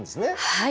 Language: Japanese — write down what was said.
はい。